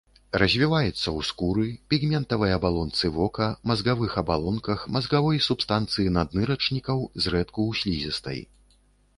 Развіваецца ў скуры, пігментавай абалонцы вока, мазгавых абалонках, мазгавой субстанцыі наднырачнікаў, зрэдку ў слізістай.